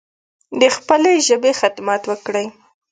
د خپلې ژبې خدمت وکړﺉ